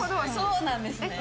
そうなんですね。